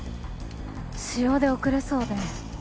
私用で遅れそうで。